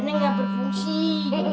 nih artinya nih